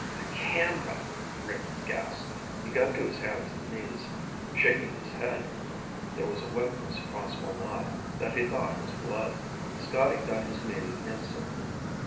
"The camera," Rick gasped. He got to his hands and knees, shaking his head. There was wetness across one eye that he thought was blood. Scotty got his meaning instantly.